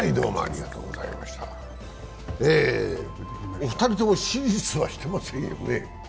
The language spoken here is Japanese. お二人とも手術はしてませんよね？